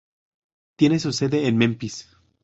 Tiene su sede en Memphis.